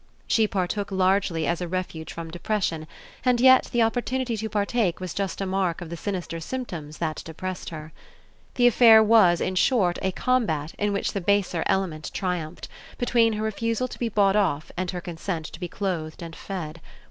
She partook largely as a refuge from depression, and yet the opportunity to partake was just a mark of the sinister symptoms that depressed her. The affair was in short a combat, in which the baser element triumphed, between her refusal to be bought off and her consent to be clothed and fed.